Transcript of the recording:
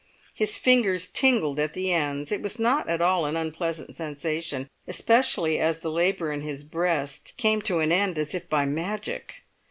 His fingers tingled at the ends It was not at all an unpleasant sensation, especially as the labour in his breast came to an end as if by magic.